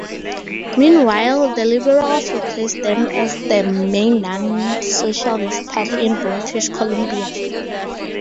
Meanwhile, the Liberals replaced them as the main non-socialist party in British Columbia.